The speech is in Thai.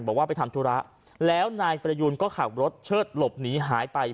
บอกว่าไปทำธุระแล้วนายประยูนก็ขับรถเชิดหลบหนีหายไป